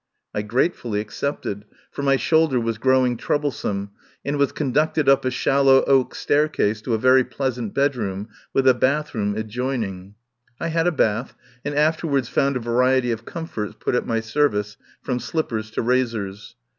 I gratefully accepted, for my shoulder was growing troublesome, and was conducted up a shallow oak staircase to a very pleasant bedroom with a bathroom adjoining. I had a bath, and afterwards found a variety of comforts put at my service, from slippers to razors.